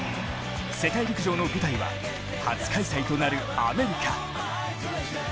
世界陸上の舞台は初開催となるアメリカ。